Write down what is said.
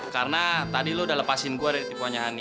karena tadi lo udah lepasin gue dari tipuannya hani